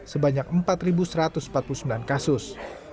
sebanyak empat satu ratus empat puluh sembilan kasus